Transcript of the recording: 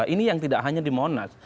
ini yang tidak hanya di monas